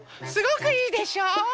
すごくいいでしょ？